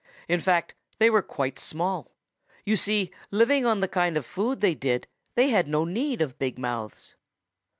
In fact, they were quite small. You see, living on the kind of food they did, they had no need of big mouths.